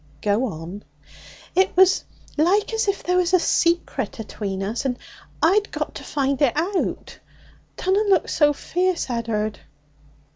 'Go on.' 'It was like as if there was a secret atween us, and I'd got to find it out. Dunna look so fierce, Ed'ard!'